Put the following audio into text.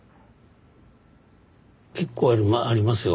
結構ありますよ。